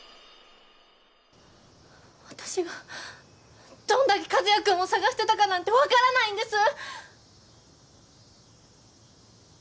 私がどんだけ和也くんを探してたかなんて分からないんです！